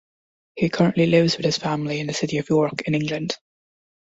He currently lives with his family in the city of York in England.